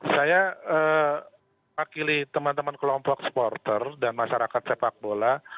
saya wakili teman teman kelompok supporter dan masyarakat sepak bola